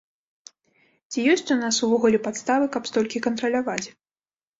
Ці ёсць у нас увогуле падставы, каб столькі кантраляваць?